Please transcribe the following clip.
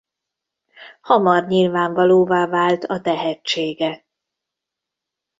Hamar nyilvánvalóvá vált a tehetsége.